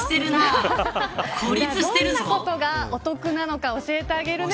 どんなことがお得なのか教えてあげるね。